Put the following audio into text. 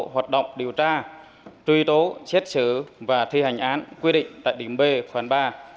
hoạt động điều tra truy tố xét xử và thi hành án quy định tại điểm b khoản ba